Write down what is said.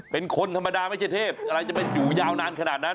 เป็นคนธรรมดาไม่ใช่เทพอะไรจะเป็นอยู่ยาวนานขนาดนั้น